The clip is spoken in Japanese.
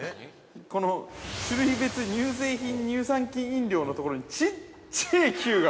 この種類別乳製品乳酸菌飲料のところに、ちっちゃいＱが。